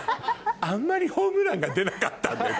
「あんまりホームランが出なかったんで」